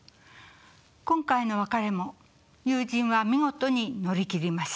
今回の別れも友人は見事に乗り切りました。